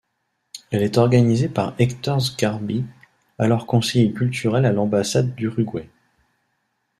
Elle est organisée par Héctor Sgarbi, alors conseiller culturel à l'ambassade d'Uruguay.